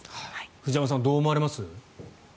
藤山さんどう思われます？